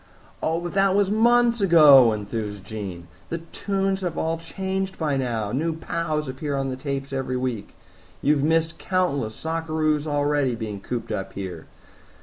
"Oh, but that was months ago," enthused Jean. "The tunes have all changed by now. New pows appear on the tapes every week. You have missed countless sockeroos already, being cooped up here.